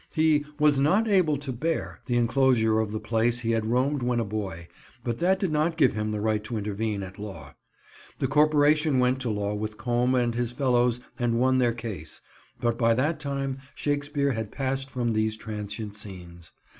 He "was not able to bear" the enclosure of the place he had roamed when a boy, but that did not give him the right to intervene at law. The corporation went to law with Combe and his fellows and won their case, but by that time Shakespeare had passed from these transient scenes.